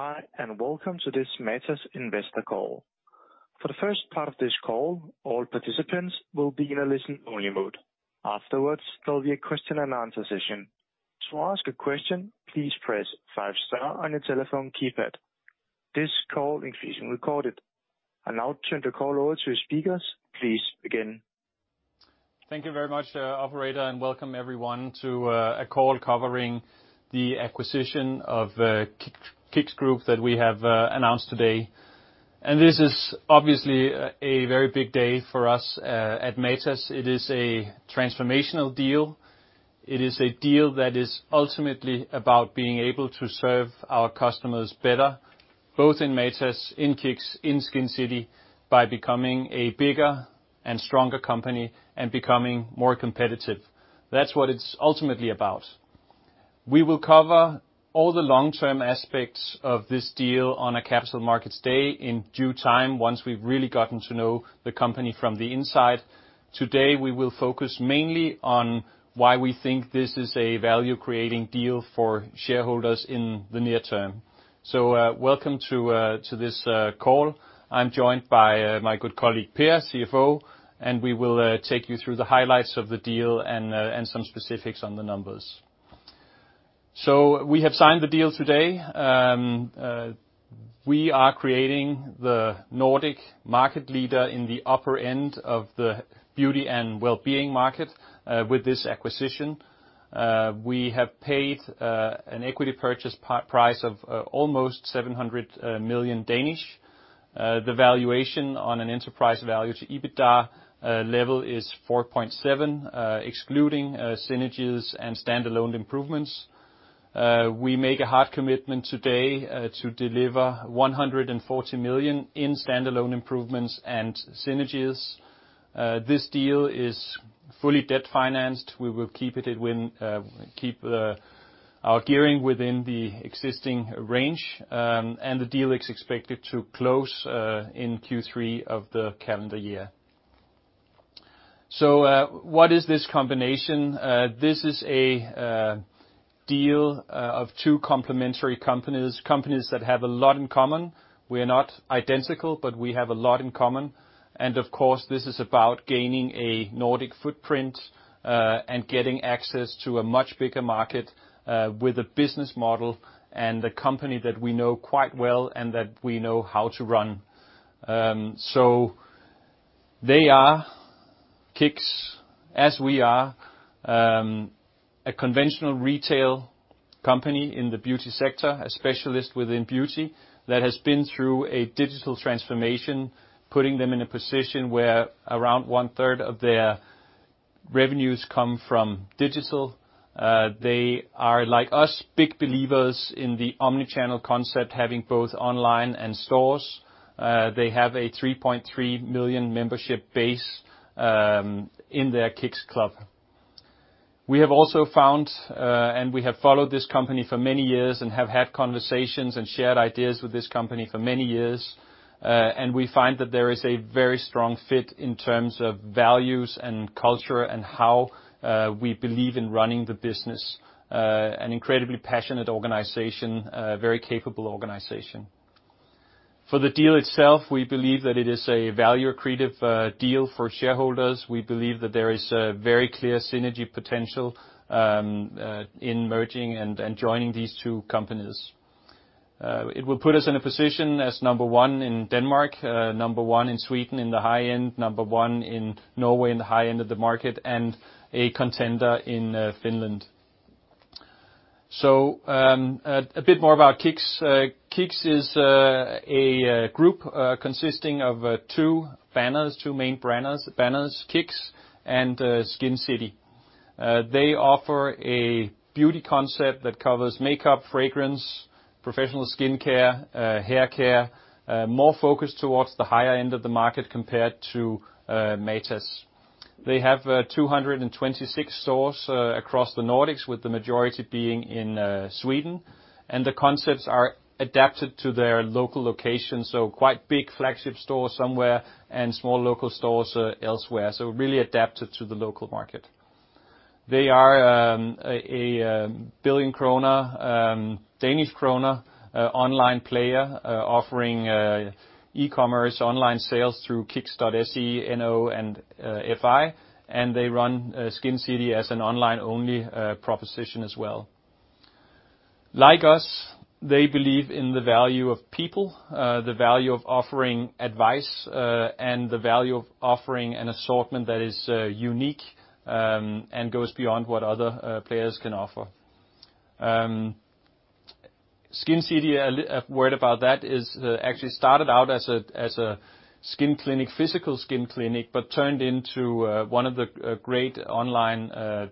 Hi, and welcome to this Matas investor call. For the first part of this call, all participants will be in a listen-only mode. Afterwards, there'll be a question-and-answer session. To ask a question, please press five star on your telephone keypad. This call is being recorded. I now turn the call over to speakers. Please begin. Thank you very much, operator. Welcome everyone to a call covering the acquisition of KICKS Group that we have announced today. This is obviously a very big day for us at Matas. It is a transformational deal. It is a deal that is ultimately about being able to serve our customers better, both in Matas, in KICKS, in Skincity, by becoming a bigger and stronger company and becoming more competitive. That's what it's ultimately about. We will cover all the long-term aspects of this deal on a Capital Markets Day in due time, once we've really gotten to know the company from the inside. Today, we will focus mainly on why we think this is a value-creating deal for shareholders in the near term. Welcome to this call. I'm joined by my good colleague, Per, CFO, and we will take you through the highlights of the deal and some specifics on the numbers. We have signed the deal today. We are creating the Nordic market leader in the upper end of the beauty and wellbeing market with this acquisition. We have paid an equity purchase price of almost 700 million. The valuation on an enterprise value to EBITDA level is 4.7x, excluding synergies and standalone improvements. We make a hard commitment today to deliver 140 million in standalone improvements and synergies. This deal is fully debt-financed. We will keep it within our gearing within the existing range. The deal is expected to close in Q3 of the calendar year. What is this combination? This is a deal of two complementary companies that have a lot in common. We are not identical, but we have a lot in common, and of course, this is about gaining a Nordic footprint and getting access to a much bigger market with a business model and a company that we know quite well and that we know how to run. They are KICKS, as we are, a conventional retail company in the beauty sector, a specialist within beauty, that has been through a digital transformation, putting them in a position where around one-third of their revenues come from digital. They are, like us, big believers in the omni-channel concept, having both online and stores. They have a 3.3 million membership base in their KICKS Club. We have also found, we have followed this company for many years and have had conversations and shared ideas with this company for many years, and we find that there is a very strong fit in terms of values and culture and how we believe in running the business. An incredibly passionate organization, a very capable organization. For the deal itself, we believe that it is a value-accretive deal for shareholders. We believe that there is a very clear synergy potential in merging and joining these two companies. It will put us in a position as number 1 in Denmark, number 1 in Sweden in the high end, number 1 in Norway in the high end of the market, and a contender in Finland. A bit more about KICKS. KICKS is a group consisting of two banners, two main banners, KICKS and Skincity. They offer a beauty concept that covers makeup, fragrance, professional skincare, haircare, more focused towards the higher end of the market compared to Matas. They have 226 stores across the Nordics, with the majority being in Sweden, and the concepts are adapted to their local location, so quite big flagship stores somewhere and small local stores elsewhere, so really adapted to the local market. They are a 1 billion Danish krona online player offering e-commerce online sales through kicks.se, NO, and FI, and they run Skincity as an online-only proposition as well. Like us, they believe in the value of people, the value of offering advice, and the value of offering an assortment that is unique and goes beyond what other players can offer. Skincity, a word about that, is actually started out as a skin clinic, physical skin clinic, but turned into one of the great online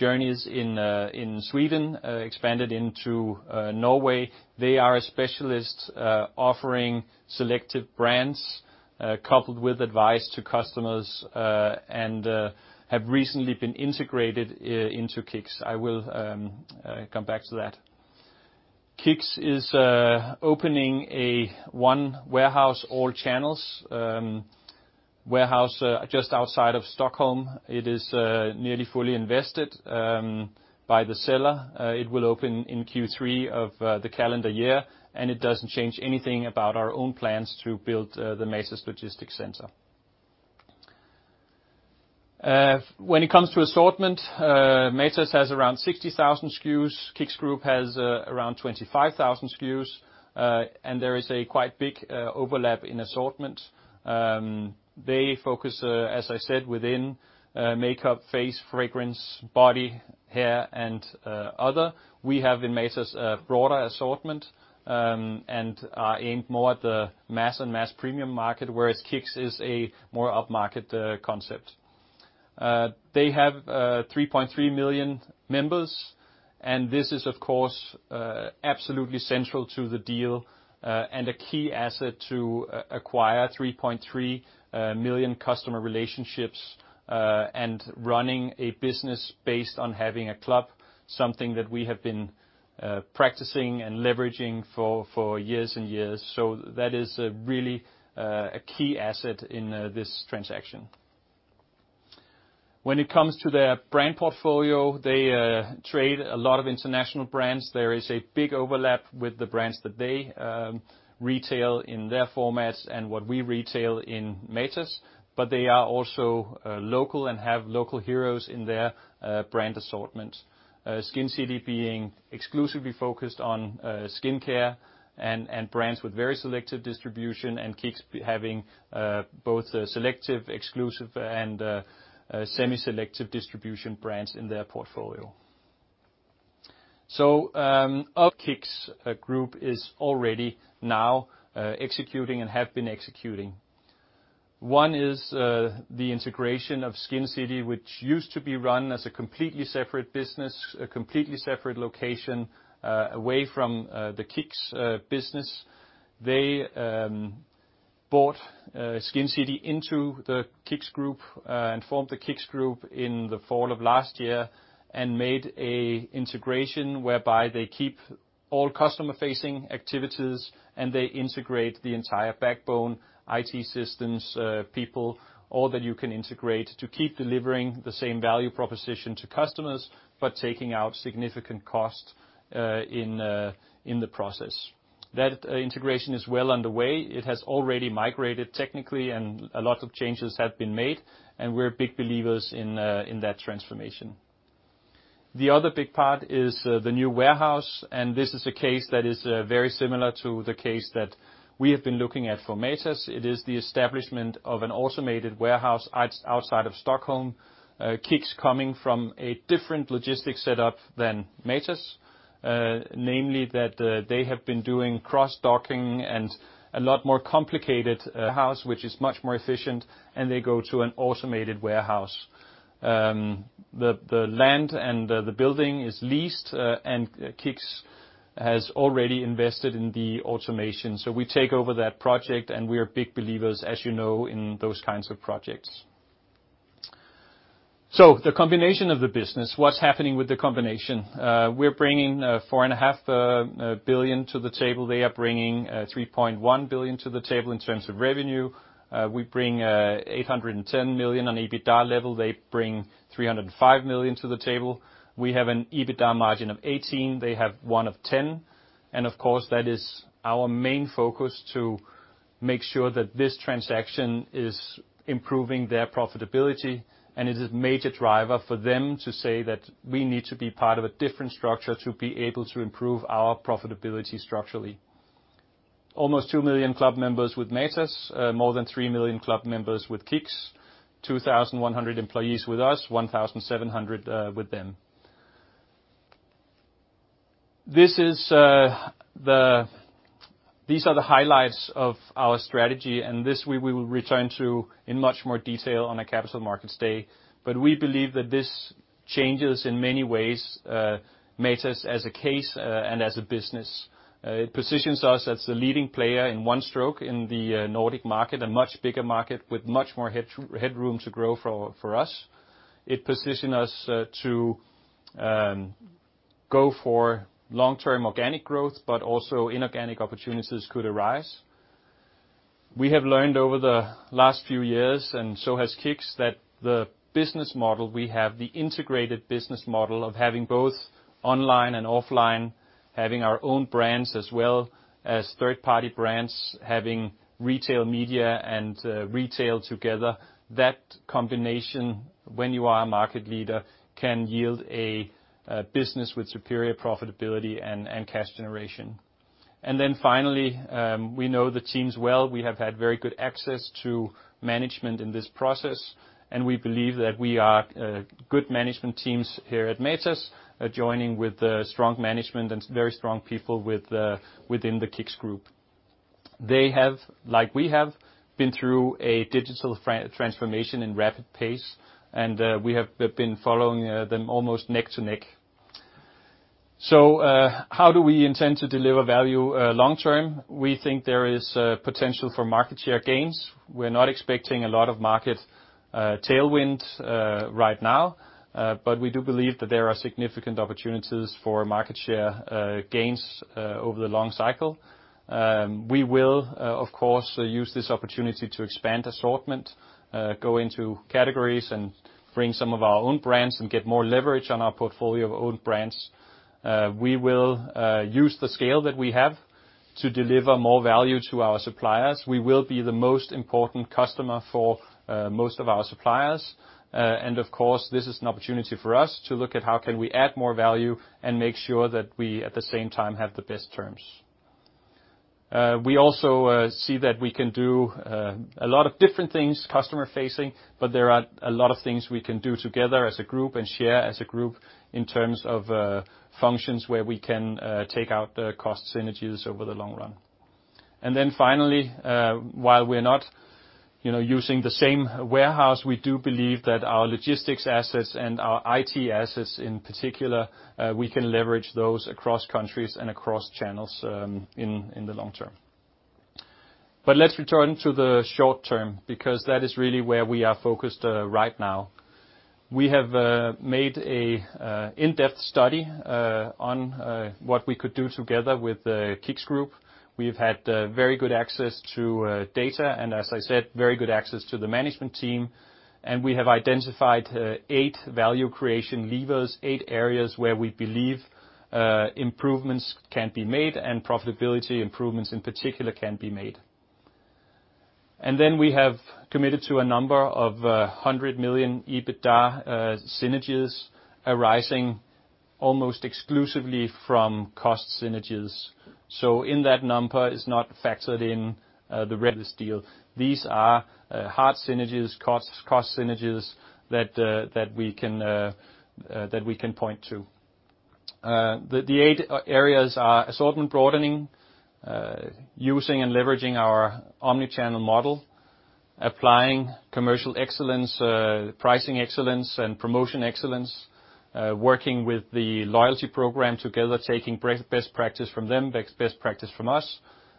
journeys in Sweden, expanded into Norway. They are a specialist offering selective brands coupled with advice to customers and have recently been integrated into KICKS. I will come back to that. KICKS is opening a 1 warehouse, all channels, warehouse just outside of Stockholm. It is nearly fully invested by the seller. It will open in Q3 of the calendar year. It doesn't change anything about our own plans to build the Matas logistic center. When it comes to assortment, Matas has around 60,000 SKUs, KICKS Group has around 25,000 SKUs, and there is a quite big overlap in assortment. They focus, as I said, within makeup, face, fragrance, body, hair, and other. We have in Matas a broader assortment and aimed more at the mass and mass premium market, whereas KICKS is a more upmarket concept. They have 3.3 million members. This is, of course, absolutely central to the deal and a key asset to acquire 3.3 million customer relationships, and running a business based on having a club, something that we have been practicing and leveraging for years and years. That is really a key asset in this transaction. When it comes to their brand portfolio, they trade a lot of international brands. There is a big overlap with the brands that they retail in their formats and what we retail in Matas. They are also local and have local heroes in their brand assortment. Skincity being exclusively focused on skincare and brands with very selective distribution, and KICKS having both a selective, exclusive, and a semi-selective distribution brands in their portfolio. Our KICKS Group is already now executing and have been executing. One is the integration of Skincity, which used to be run as a completely separate business, a completely separate location away from the KICKS business. They bought Skincity into the KICKS Group and formed the KICKS Group in the fall of last year and made a integration whereby they keep all customer-facing activities, and they integrate the entire backbone, IT systems, people, all that you can integrate to keep delivering the same value proposition to customers, but taking out significant cost in the process. That integration is well underway. It has already migrated technically, and a lot of changes have been made, and we're big believers in that transformation. The other big part is the new warehouse, and this is a case that is very similar to the case that we have been looking at for Matas. It is the establishment of an automated warehouse outside of Stockholm. KICKS coming from a different logistics setup than Matas, namely that they have been doing cross-docking and a lot more complicated house, which is much more efficient, and they go to an automated warehouse. The land and the building is leased. KICKS has already invested in the automation. We take over that project. We are big believers, as you know, in those kinds of projects. The combination of the business, what's happening with the combination? We're bringing 4.5 billion to the table. They are bringing 3.1 billion to the table in terms of revenue. We bring 810 million on EBITDA level. They bring 305 million to the table. We have an EBITDA margin of 18%, they have one of 10%. Of course, that is our main focus to make sure that this transaction is improving their profitability. It is a major driver for them to say that we need to be part of a different structure to be able to improve our profitability structurally. Almost 2 million club members with Matas, more than 3 million club members with KICKS, 2,100 employees with us, 1,700 with them. This is the. These are the highlights of our strategy. This we will return to in much more detail on the Capital Markets Day. We believe that this changes, in many ways, Matas as a case and as a business. It positions us as the leading player in one stroke in the Nordic market, a much bigger market with much more headroom to grow for us. It position us to go for long-term organic growth, but also inorganic opportunities could arise. We have learned over the last few years, and so has KICKS, that the business model we have, the integrated business model of having both online and offline, having our own brands as well as third-party brands, having retail media and retail together, that combination, when you are a market leader, can yield a business with superior profitability and cash generation. Finally, we know the teams well. We have had very good access to management in this process, and we believe that we are good management teams here at Matas, joining with the strong management and very strong people within the KICKS Group. They have, like we have, been through a digital transformation in rapid pace, and we have been following them almost neck to neck. How do we intend to deliver value long term? We think there is potential for market share gains. We're not expecting a lot of market tailwind right now, but we do believe that there are significant opportunities for market share gains over the long cycle. We will, of course, use this opportunity to expand assortment, go into categories, and bring some of our own brands, and get more leverage on our portfolio of own brands. We will use the scale that we have to deliver more value to our suppliers. We will be the most important customer for most of our suppliers. Of course, this is an opportunity for us to look at how can we add more value, and make sure that we, at the same time, have the best terms. we can do a lot of different things customer-facing, but there are a lot of things we can do together as a group and share as a group in terms of functions where we can take out the cost synergies over the long run. And then finally, while we're not, you know, using the same warehouse, we do believe that our logistics assets and our IT assets, in particular, we can leverage those across countries and across channels in the long term. But let's return to the short term, because that is really where we are focused right now. We have made an in-depth study on what we could do together with the KICKS Group. We've had very good access to data, and as I said, very good access to the management team, and we have identified eight value creation levers, eight areas where we believe improvements can be made, and profitability improvements, in particular, can be made. We have committed to a number of 100 million EBITDA synergies arising almost exclusively from cost synergies. In that number is not factored in the rest of this deal. These are hard synergies, costs, cost synergies that we can point to. The eight areas are assortment broadening, using and leveraging our omni-channel model, applying commercial excellence, pricing excellence, and promotion excellence, working with the loyalty program together, taking best practice from them, best practice from us.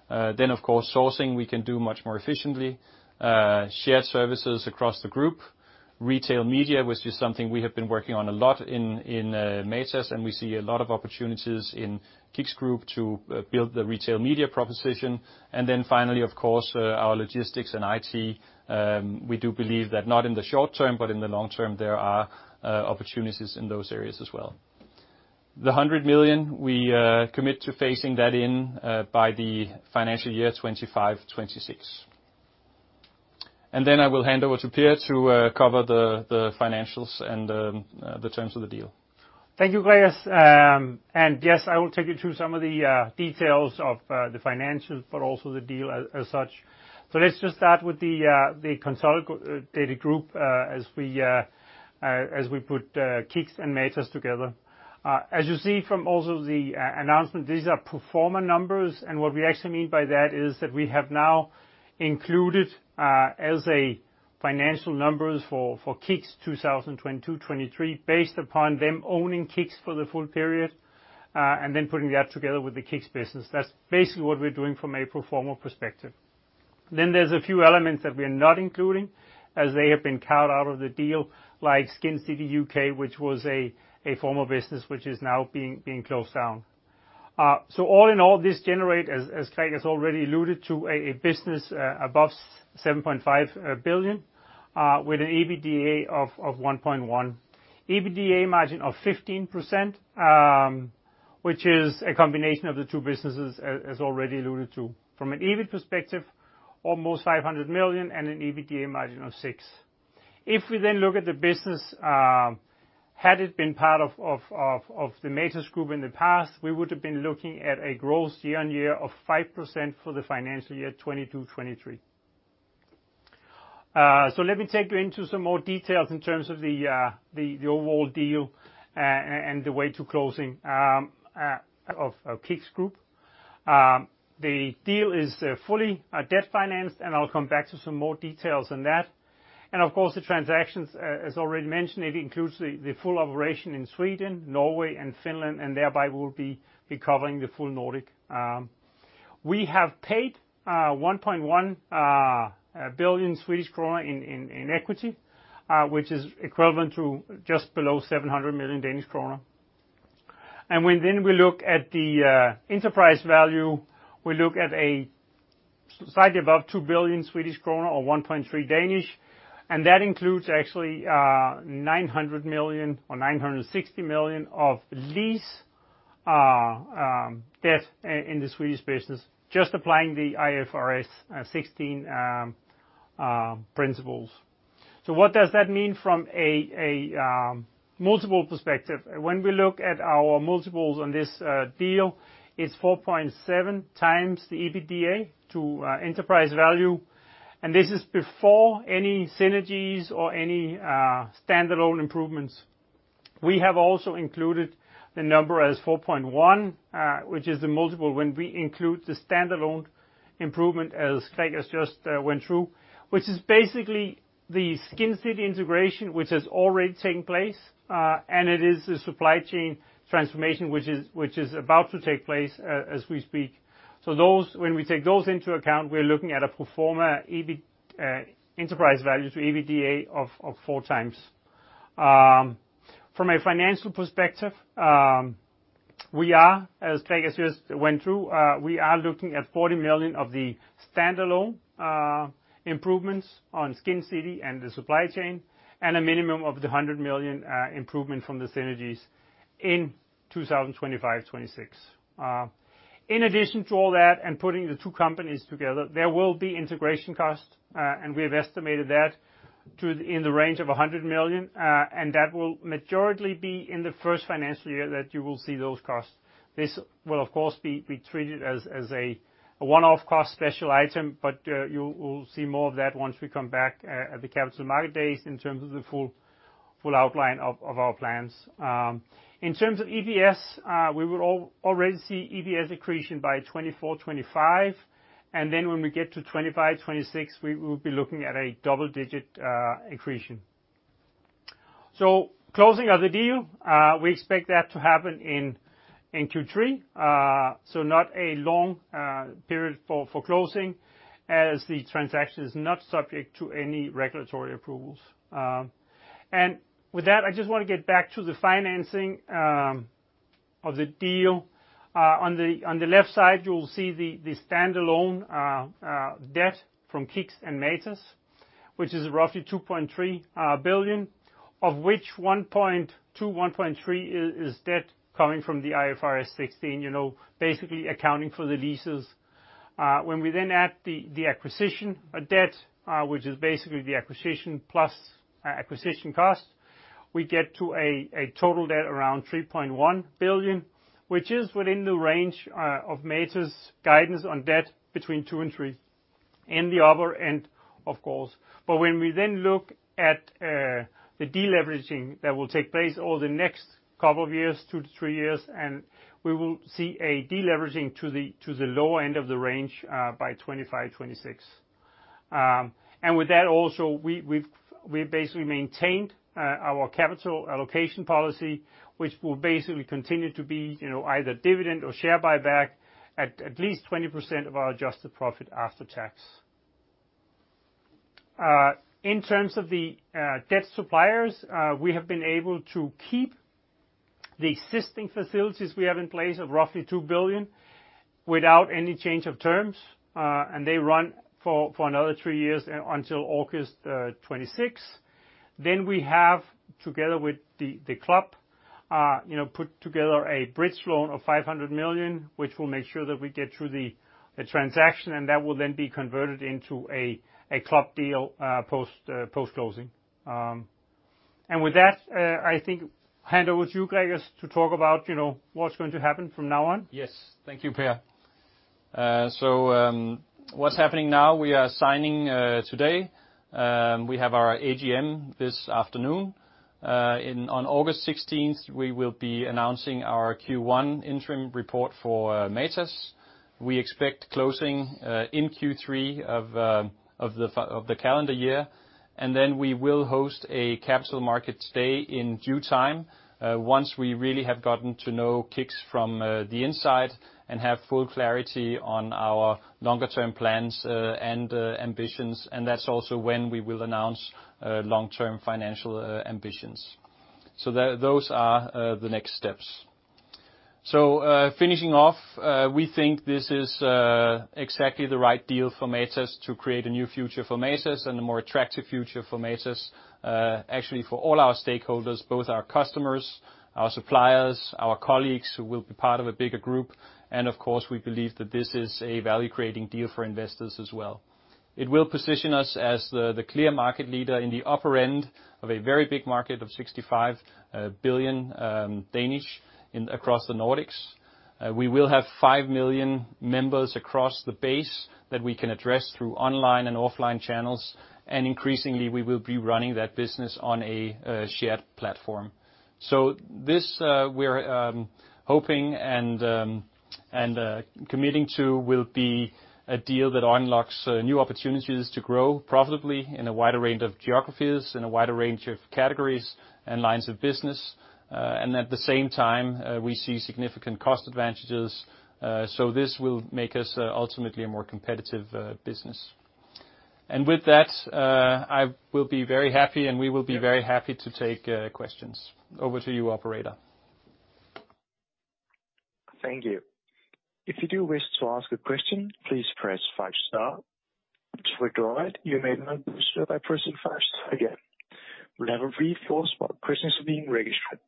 Then, of course, sourcing, we can do much more efficiently, shared services across the group, retail media, which is something we have been working on a lot in Matas, and we see a lot of opportunities in KICKS Group to build the retail media proposition. Finally, of course, our logistics and IT, we do believe that not in the short term, but in the long term, there are opportunities in those areas as well. The 100 million, we commit to phasing that in by the financial year 2025, 2026. I will hand over to Per to cover the financials and the terms of the deal. Thank you, Claus. Yes, I will take you through some of the details of the financials, but also the deal as such. Let's just start with the consolidated group, as we put KICKS and Matas together. As you see from also the announcement, these are pro forma numbers, and what we actually mean by that is that we have now included as a financial numbers for KICKS 2022, 2023, based upon them owning KICKS for the full period, and then putting that together with the KICKS business. That's basically what we're doing from a pro forma perspective. There's a few elements that we are not including, as they have been carved out of the deal, like Skincity U.K., which was a former business, which is now being closed down. All in all, this generate, as Greg has already alluded to, a business above 7.5 billion, with an EBITDA of 1.1 billion. EBITDA margin of 15%, which is a combination of the two businesses, as already alluded to. From an EBIT perspective, almost 500 million and an EBITDA margin of 6%. If we look at the business, had it been part of the Matas group in the past, we would have been looking at a growth year-on-year of 5% for the financial year 2022, 2023. Let me take you into some more details in terms of the overall deal and the way to closing of KICKS Group. The deal is fully debt-financed, I'll come back to some more details on that. Of course, the transactions as already mentioned, it includes the full operation in Sweden, Norway, and Finland, thereby we'll be covering the full Nordic. We have paid 1.1 billion Swedish krona in equity, which is equivalent to just below 700 million Danish krone. When we look at the enterprise value, we look at a slightly above 2 billion Swedish krona or 1.3 billion, and that includes actually 900 million or 960 million of lease debt in the Swedish business, just applying the IFRS 16 principles. What does that mean from a multiple perspective? When we look at our multiples on this deal, it's 4.7x the EBITDA to enterprise value, and this is before any synergies or any standalone improvements. We have also included the number as 4.1, which is the multiple when we include the standalone improvement, as Greg just went through, which is basically the Skincity integration, which has already taken place, and it is the supply chain transformation, which is about to take place as we speak. When we take those into account, we're looking at a pro forma enterprise value to EBITDA of 4x. From a financial perspective, we are, as Greg just went through, we are looking at 40 million of the standalone improvements on Skincity and the supply chain, and a minimum of the 100 million improvement from the synergies in 2025-2026. In addition to all that, and putting the two companies together, there will be integration costs, and we have estimated that in the range of 100 million, and that will majority be in the first financial year that you will see those costs. This will, of course, be treated as a one-off cost special item, but you will see more of that once we come back at the Capital Market days in terms of the full outline of our plans. In terms of EPS, we will already see EPS accretion by 2024-2025, and when we get to 2025-2026, we will be looking at a double-digit accretion. Closing of the deal, we expect that to happen in Q3, so not a long period for closing, as the transaction is not subject to any regulatory approvals. And with that, I just want to get back to the financing of the deal. On the left side, you will see the standalone debt from KICKS and Matas, which is roughly 2.3 billion, of which 1.2 billion, 1.3 billion is debt coming from the IFRS 16, you know, basically accounting for the leases. When we then add the acquisition, a debt, which is basically the acquisition plus acquisition cost, we get to a total debt around 3.1 billion, which is within the range of Matas' guidance on debt between 2 billion and 3 billion, in the upper end, of course. When we then look at the deleveraging that will take place over the next couple of years, two to three years, and we will see a deleveraging to the lower end of the range by 2025, 2026. With that, also, we've basically maintained our capital allocation policy, which will basically continue to be, you know, either dividend or share buyback at at least 20% of our adjusted profit after tax. In terms of the debt suppliers, we have been able to keep the existing facilities we have in place of roughly 2 billion without any change of terms, and they run for another three years until August 2026. We have, together with the club, you know, put together a bridge loan of 500 million, which will make sure that we get through the transaction, and that will then be converted into a club deal post post-closing. With that, I think hand over to you, Gregers, to talk about, you know, what's going to happen from now on. Yes. Thank you, Per. What's happening now, we are signing today. We have our AGM this afternoon. On August 16th, we will be announcing our Q1 interim report for Matas. We expect closing in Q3 of the calendar year, and then we will host a capital market stay in due time, once we really have gotten to know KICKS from the inside and have full clarity on our longer-term plans and ambitions, and that's also when we will announce long-term financial ambitions. Those are the next steps. Finishing off, we think this is exactly the right deal for Matas to create a new future for Matas and a more attractive future for Matas, actually, for all our stakeholders, both our customers, our suppliers, our colleagues, who will be part of a bigger group, and of course, we believe that this is a value-creating deal for investors as well. It will position us as the clear market leader in the upper end of a very big market of 65 billion across the Nordics. We will have 5 million members across the base that we can address through online and offline channels, and increasingly, we will be running that business on a shared platform. This, we're hoping and committing to, will be a deal that unlocks new opportunities to grow profitably in a wider range of geographies, in a wider range of categories and lines of business, and at the same time, we see significant cost advantages, this will make us ultimately a more competitive business. With that, I will be very happy, and we will be very happy to take questions. Over to you, operator. Thank you. If you do wish to ask a question, please press 5 star. To withdraw it, you may mute by pressing 5 again. We'll have a brief pause while questions are being registered.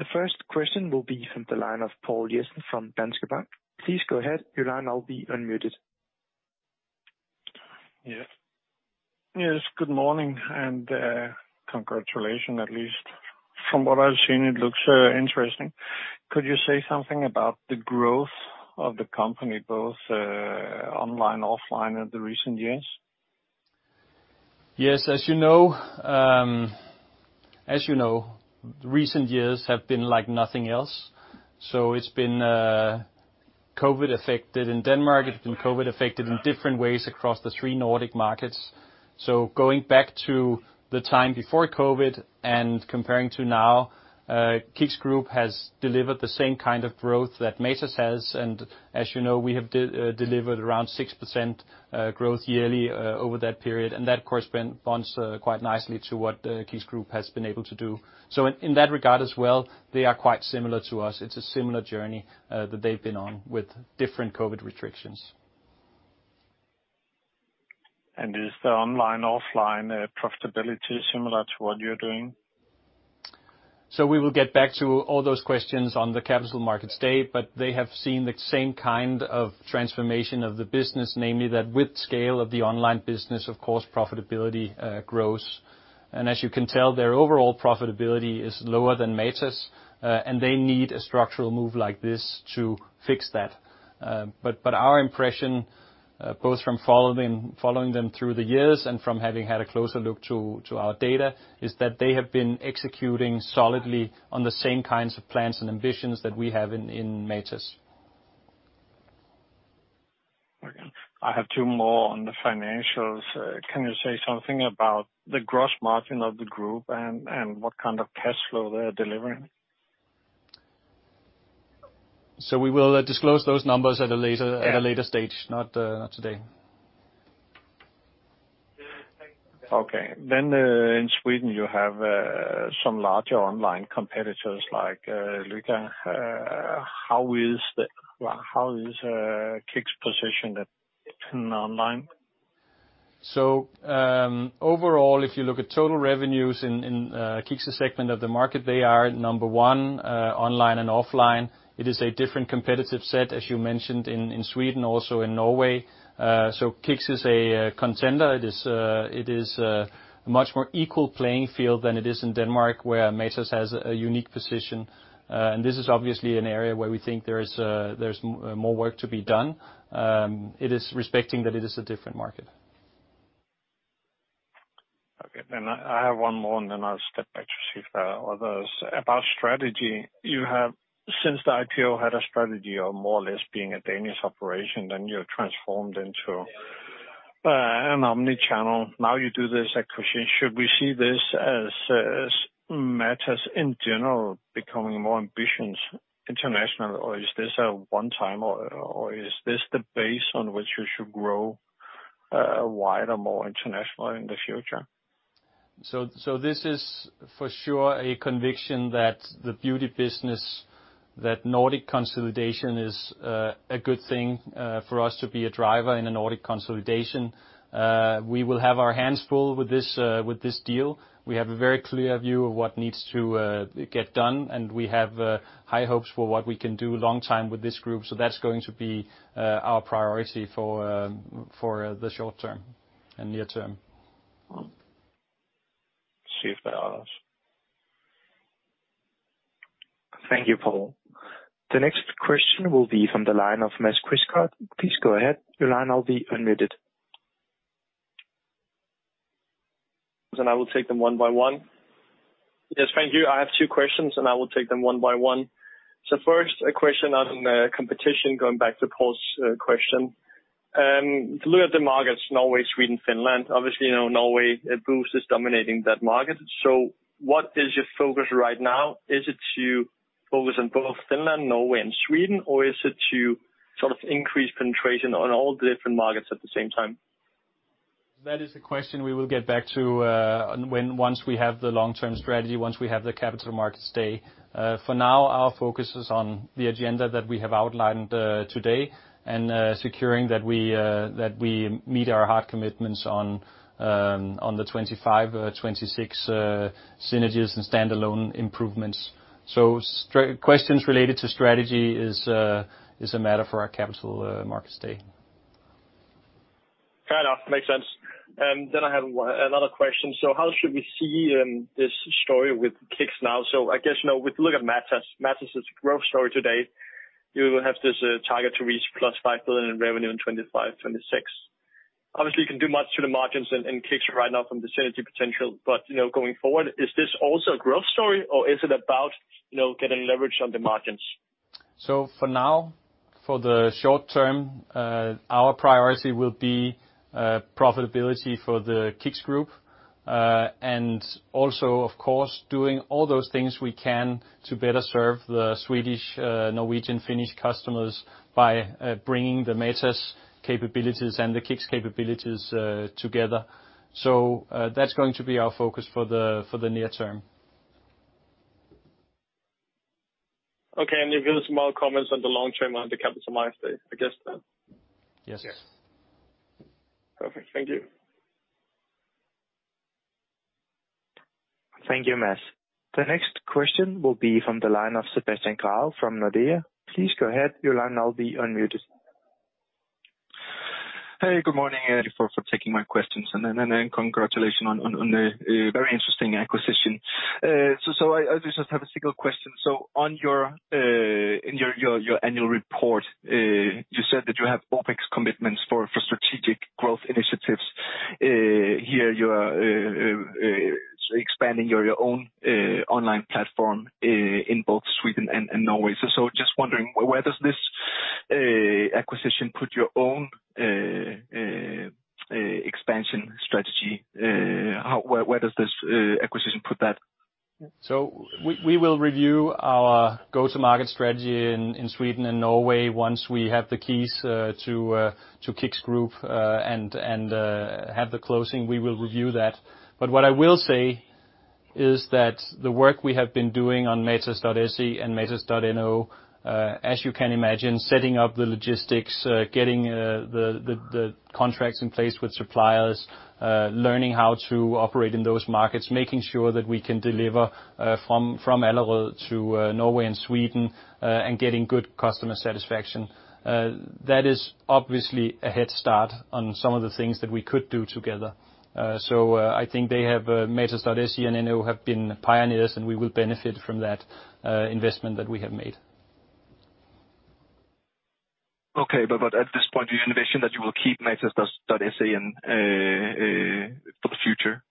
The first question will be from the line of Poul Jessen from Danske Bank. Please go ahead. Your line will now be unmuted. Yes. Yes, good morning, and congratulations, at least from what I've seen, it looks interesting. Could you say something about the growth of the company, both online, offline, in the recent years? Yes, as you know, as you know, recent years have been like nothing else. It's been COVID affected in Denmark, it's been COVID affected in different ways across the three Nordic markets. Going back to the time before COVID and comparing to now, KICKS Group has delivered the same kind of growth that Matas has, and as you know, we have delivered around 6% growth yearly, over that period, and that, of course, been bonds, quite nicely to what KICKS Group has been able to do. In, in that regard as well, they are quite similar to us. It's a similar journey that they've been on, with different COVID restrictions. Is the online, offline profitability similar to what you're doing? We will get back to all those questions on the capital market state, but they have seen the same kind of transformation of the business, namely, that with scale of the online business, of course, profitability grows. As you can tell, their overall profitability is lower than Matas, and they need a structural move like this to fix that. But our impression, both from following them through the years and from having had a closer look to our data, is that they have been executing solidly on the same kinds of plans and ambitions that we have in Matas. Okay. I have two more on the financials. Can you say something about the gross margin of the group and what kind of cash flow they are delivering? We will disclose those numbers at a later-. Yeah at a later stage, not today. Okay. In Sweden, you have some larger online competitors, like Lyko. How is Kicks positioned at, online? Overall, if you look at total revenues in KICKS' segment of the market, they are number one online and offline. It is a different competitive set, as you mentioned, in Sweden, also in Norway. KICKS is a contender. It is a much more equal playing field than it is in Denmark, where Matas has a unique position. This is obviously an area where we think there is more work to be done. It is respecting that it is a different market. I have one more, and then I'll step back to see if there are others. About strategy, you have, since the IPO, had a strategy of more or less being a Danish operation, then you have transformed into an omni-channel. You do this acquisition. Should we see this as Matas, in general, becoming more ambitious internationally, or is this a one-time, or is this the base on which you should grow wider, more international in the future? This is for sure a conviction that the beauty business, that Nordic consolidation is a good thing for us to be a driver in a Nordic consolidation. We will have our hands full with this deal. We have a very clear view of what needs to get done, and we have high hopes for what we can do long time with this group. That's going to be our priority for the short term and near term. Well, see if there are others. Thank you, Paul. The next question will be from the line of Mads Quistgaard. Please go ahead. Your line will be unmuted. I will take them one by one. Yes, thank you. I have two questions, and I will take them one by one. First, a question on the competition, going back to Poul's question. If you look at the markets, Norway, Sweden, Finland, obviously, you know, Norway, VITA is dominating that market. What is your focus right now? Is it to focus on both Finland, Norway and Sweden, or is it to sort of increase penetration on all the different markets at the same time? That is a question we will get back to, once we have the long-term strategy, once we have the Capital Markets Day. For now, our focus is on the agenda that we have outlined today, and securing that we meet our hard commitments on the 2025, 2026 synergies and standalone improvements. Questions related to strategy is a matter for our Capital Markets Day. Fair enough. Makes sense. Then I have another question: How should we see this story with KICKS now? I guess, you know, with a look at Matas' growth story today, you have this target to reach plus 5 billion in revenue in 2025, 2026. Obviously, you can do much to the margins and KICKS right now from the synergy potential, but, you know, going forward, is this also a growth story, or is it about, you know, getting leverage on the margins? For now, for the short term, our priority will be profitability for the KICKS Group, and also, of course, doing all those things we can to better serve the Swedish, Norwegian, Finnish customers by bringing the Matas capabilities and the KICKS capabilities together. That's going to be our focus for the near term. Okay, you'll give us more comments on the long term on the Capital Markets Day, I guess then? Yes. Perfect. Thank you. Thank you, Mads. The next question will be from the line of Sebastian Grave from Nordea. Please go ahead. Your line now be unmuted. Hey, good morning, and for taking my questions, and then congratulations on the very interesting acquisition. I just have a single question. On your in your annual report, you said that you have OpEx commitments for strategic growth initiatives. Here you are expanding your own online platform in both Sweden and Norway. Just wondering, where does this acquisition put your own expansion strategy? How, where does this acquisition put that? We will review our go-to-market strategy in Sweden and Norway once we have the keys to KICKS Group and have the closing, we will review that. What I will say is that the work we have been doing on matas.se and matas.no, as you can imagine, setting up the logistics, getting the contracts in place with suppliers, learning how to operate in those markets, making sure that we can deliver from Allerød to Norway and Sweden and getting good customer satisfaction. That is obviously a head start on some of the things that we could do together. I think they have matas.se and NO have been pioneers, and we will benefit from that investment that we have made. At this point, your innovation that you will keep matas.se and for the future?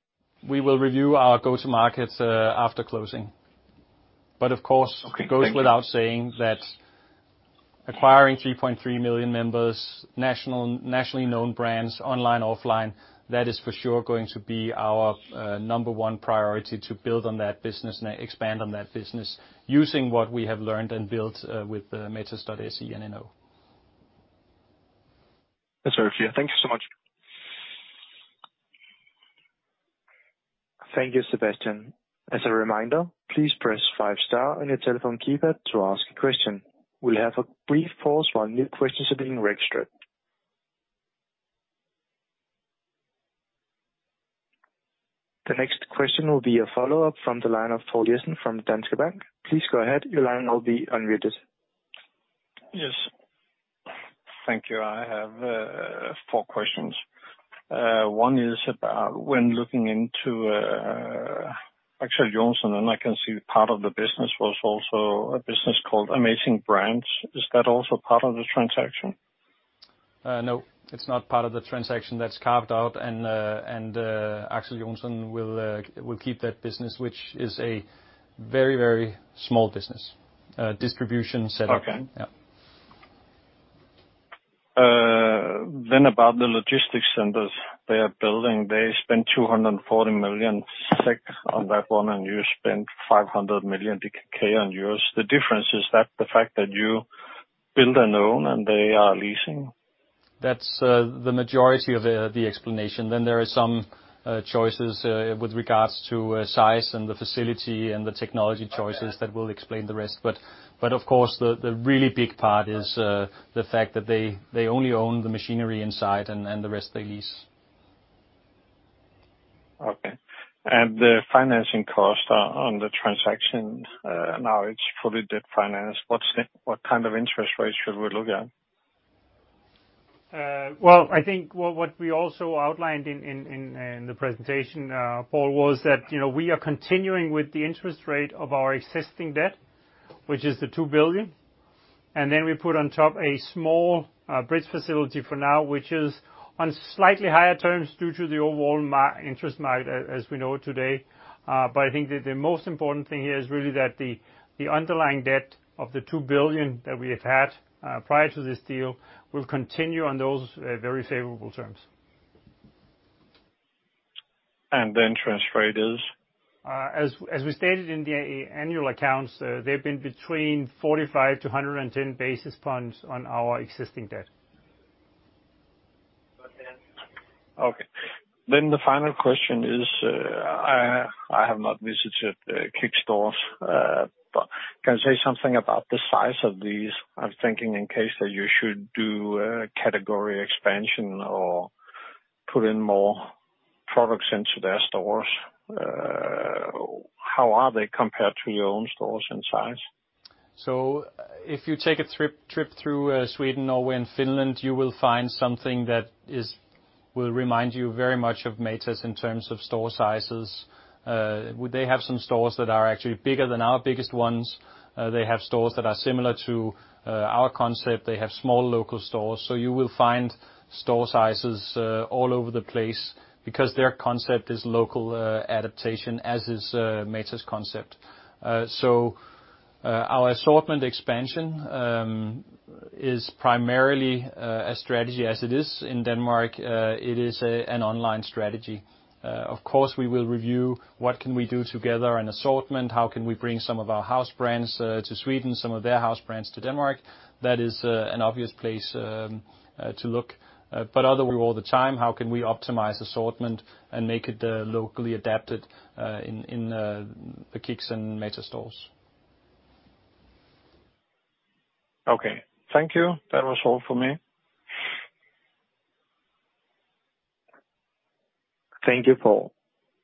We will review our go-to-markets after closing. Okay, thank you. It goes without saying that acquiring 3.3 million members, nationally known brands, online, offline, that is for sure going to be our number one priority to build on that business and expand on that business using what we have learned and built with matas.se and matas.no. That's very clear. Thank you so much. Thank you, Sebastian. As a reminder, please press 5 star on your telephone keypad to ask a question. We'll have a brief pause while new questions are being registered. The next question will be a follow-up from the line of Poul Jessen from Danske Bank. Please go ahead. Your line will be unmuted. Yes. Thank you. I have four questions. One is about when looking into Axel Johnson, and I can see part of the business was also a business called Amazing Brands. Is that also part of the transaction? No, it's not part of the transaction. That's carved out, and Axel Johnson will keep that business, which is a very, very small business, distribution center. Okay. Yeah. About the logistics centers they are building, they spent 240 million SEK on that one, and you spent 500 million on yours. The difference is that the fact that you build and own, and they are leasing? That's the majority of the explanation. There are some choices with regards to size and the facility and the technology choices that will explain the rest. Of course, the really big part is the fact that they only own the machinery inside, and the rest they lease. Okay. The financing cost on the transaction, now it's fully debt financed. What kind of interest rates should we look at? Well, I think what we also outlined in the presentation, Poul, was that, you know, we are continuing with the interest rate of our existing debt, which is the 2 billion, and then we put on top a small bridge facility for now, which is on slightly higher terms due to the overall interest market, as we know it today. I think that the most important thing here is really that the underlying debt of the 2 billion that we have had prior to this deal, will continue on those very favorable terms. The interest rate is? As we stated in the annual accounts, they've been between 45-110 basis points on our existing debt. Okay. The final question is, I have not visited KICKS stores, can you say something about the size of these? I'm thinking in case that you should do a category expansion or put in more products into their stores, how are they compared to your own stores in size? If you take a trip through Sweden, Norway, and Finland, you will find something that will remind you very much of Matas in terms of store sizes. They have some stores that are actually bigger than our biggest ones. They have stores that are similar to our concept. They have small local stores, you will find store sizes all over the place because their concept is local adaptation, as is Matas concept. Our assortment expansion is primarily a strategy as it is in Denmark, it is an online strategy. Of course, we will review what can we do together in assortment, how can we bring some of our house brands to Sweden, some of their house brands to Denmark. That is an obvious place to look, but otherwise, all the time, how can we optimize assortment and make it locally adapted in the KICKS and Matas stores? Okay, thank you. That was all for me. Thank you, Paul.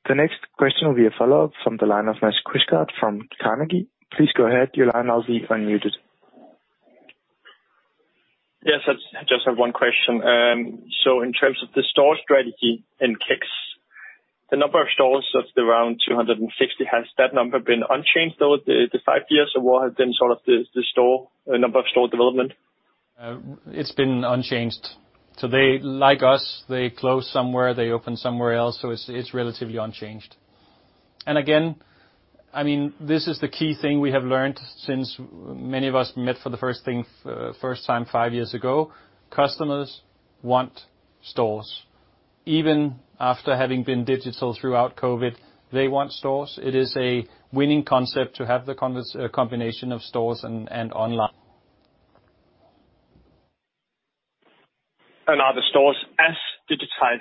The next question will be a follow-up from the line of Mads Quistgaard from Carnegie. Please go ahead, your line now is unmuted. I just have 1 question. In terms of the store strategy in KICKS, the number of stores of around 260, has that number been unchanged over the 5 years, or what has been sort of the store number of store development? It's been unchanged. They, like us, they close somewhere, they open somewhere else, so it's relatively unchanged. I mean, this is the key thing we have learned since many of us met for the first time five years ago, customers want stores. Even after having been digital throughout COVID, they want stores. It is a winning concept to have the combination of stores and online. Are the stores as digitized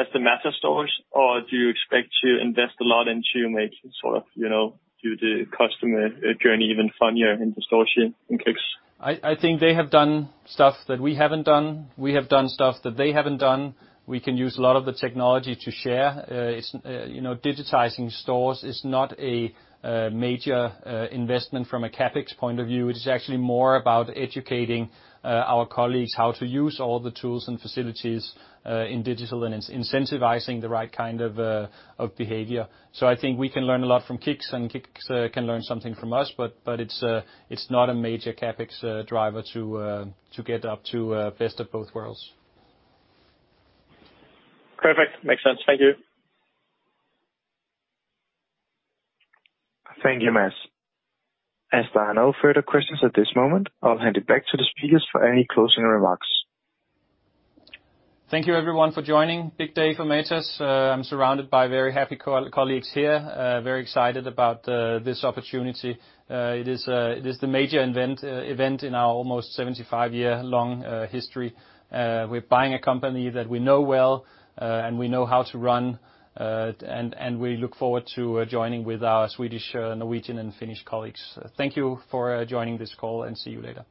as the Matas stores, or do you expect to invest a lot into making sort of, you know, do the customer, journey even funnier in the store chain in KICKS? I think they have done stuff that we haven't done. We have done stuff that they haven't done. We can use a lot of the technology to share. It's, you know, digitizing stores is not a major investment from a CapEx point of view. It is actually more about educating our colleagues how to use all the tools and facilities in digital, and it's incentivizing the right kind of behavior. I think we can learn a lot from KICKS, and KICKS can learn something from us, but it's not a major CapEx driver to get up to best of both worlds. Perfect. Makes sense. Thank you. Thank you, Mads. As there are no further questions at this moment, I'll hand it back to the speakers for any closing remarks. Thank you, everyone, for joining. Big day for Matas. I'm surrounded by very happy colleagues here, very excited about this opportunity. It is the major event in our almost 75-year-long, history. We're buying a company that we know well, and we know how to run, and we look forward to joining with our Swedish, Norwegian and Finnish colleagues. Thank you for joining this call, and see you later.